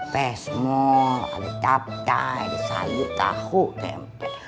pesmo ada kapta ada sayur tahu tempe